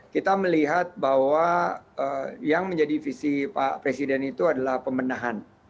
kita melihat bahwa yang menjadi visi pak presiden itu adalah pemenahan